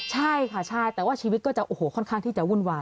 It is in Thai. ใช่ค่ะใช่แต่ว่าชีวิตก็จะโอ้โหค่อนข้างที่จะวุ่นวาย